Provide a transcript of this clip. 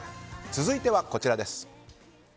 続いては、こちらです。